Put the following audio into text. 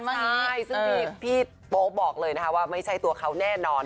ใช่ซึ่งพี่โป๊บอกเลยนะคะว่าไม่ใช่ตัวเขาแน่นอน